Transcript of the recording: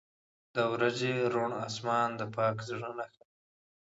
• د ورځې روڼ آسمان د پاک زړه نښه ده.